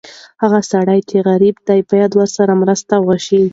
هغه سړی چې غریب دی، باید ورسره مرسته وشي.